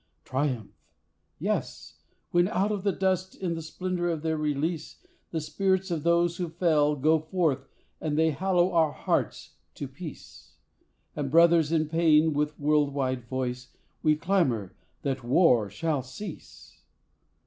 Triumph! Yes, when out of the dust in the splendour of their release The spirits of those who fell go forth and they hallow our hearts to peace, And, brothers in pain, with world wide voice, we clamour that War shall cease.